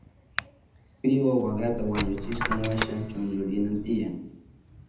Wiwa wakrata wañuchishkanwasha chunchulinan tiyan.